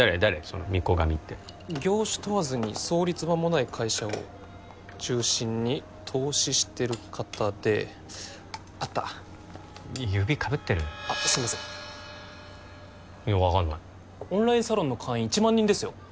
その御子神って業種問わずに創立まもない会社を中心に投資してる方であった指かぶってるあっすいませんいや分かんないオンラインサロンの会員１万人ですよ